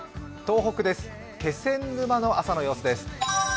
東北です、気仙沼の朝の様子です。